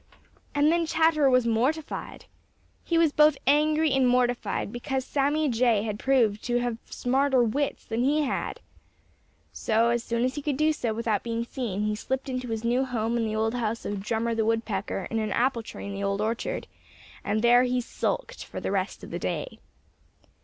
And then Chatterer was mortified. He was both angry and mortified because Sammy Jay had proved to have smarter wits than he had. So, as soon as he could do so without being seen, he slipped into his new home in the old house of Drummer the Woodpecker in an apple tree in the Old Orchard, and there he sulked for the rest of the day.